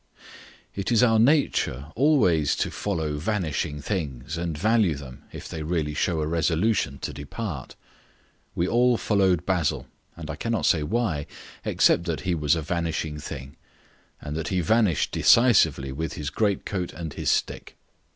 It is our nature always to follow vanishing things and value them if they really show a resolution to depart. We all followed Basil, and I cannot say why, except that he was a vanishing thing, that he vanished decisively with his great coat and his stick.